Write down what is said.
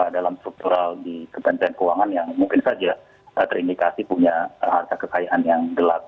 dalam seputar di kebantuan keuangan yang mungkin saja terindikasi punya harga kekayaan yang gelap